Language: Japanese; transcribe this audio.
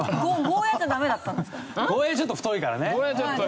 ゴーヤちょっと太いからね。